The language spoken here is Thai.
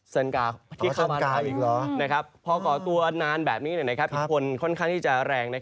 เซินกาที่เข้าบ้านไทยนะครับพอก่อตัวนานแบบนี้ผิดผลค่อนข้างที่จะแรง